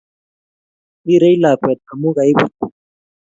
Rirei lakwet amu kaibut